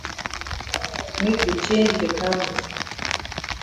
Make we change de cargo.